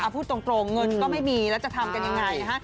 พูดตรงเงินก็ไม่มีแล้วจะทำกันยังไง